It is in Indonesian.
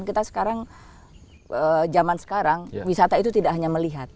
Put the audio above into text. kita sekarang zaman sekarang wisata itu tidak hanya melihat